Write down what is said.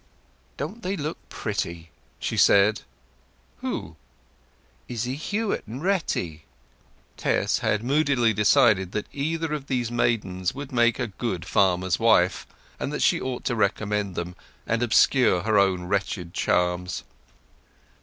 "Don't they look pretty?" she said. "Who?" "Izzy Huett and Retty." Tess had moodily decided that either of these maidens would make a good farmer's wife, and that she ought to recommend them, and obscure her own wretched charms.